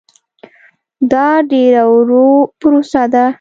دا ډېره ورو پروسه ده.